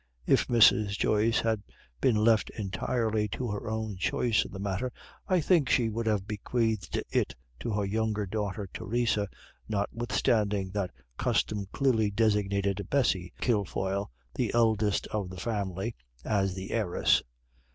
If Mrs. Joyce had been left entirely to her own choice in the matter, I think she would have bequeathed it to her younger daughter Theresa, notwithstanding that custom clearly designated Bessy Kilfoyle, the eldest of the family, as the heiress.